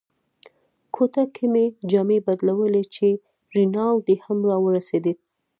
کوټه کې مې جامې بدلولې چې رینالډي هم را ورسېد.